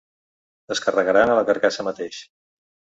Es carregaran a la carcassa mateix.